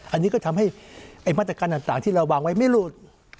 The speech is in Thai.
อันนี้ก็ทำให้มาตรการต่างที่เราวางไว้ไม่หลุด